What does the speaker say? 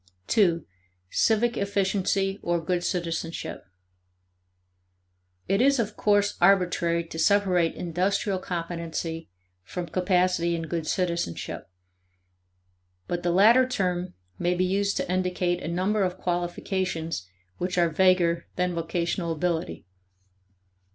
(2) Civic efficiency, or good citizenship. It is, of course, arbitrary to separate industrial competency from capacity in good citizenship. But the latter term may be used to indicate a number of qualifications which are vaguer than vocational ability.